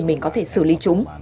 mình có thể xử lý chúng